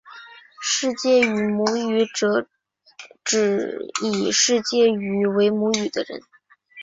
世界语母语者指以世界语为母语的人。